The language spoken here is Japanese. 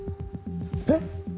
えっ！